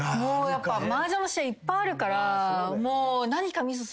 マージャンの試合いっぱいあるから。